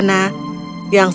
yang selalu berada di dalam kota